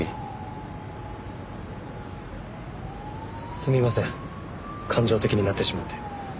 すみません感情的になってしまって。